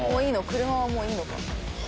車はもういいのか。